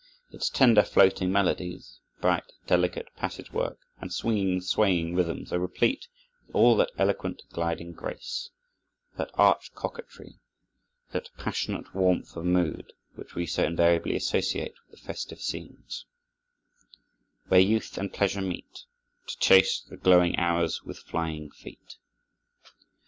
Its tender, floating melodies, bright, delicate passage work, and swinging, swaying rhythms are replete with all that eloquent, gliding grace, that arch coquetry, that passionate warmth of mood, which we so invariably associate with the festive scenes, "Where youth and pleasure meet To chase the glowing hours with flying feet."